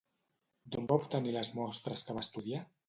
D'on va obtenir les mostres que va estudiar?